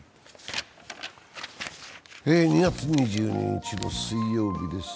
２月２２日の水曜日です。